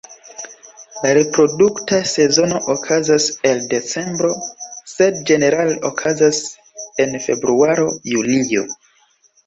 La reprodukta sezono okazas el decembro, sed ĝenerale okazas en februaro-julio.